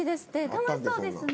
楽しそうですね。